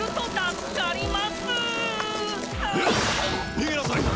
逃げなさい。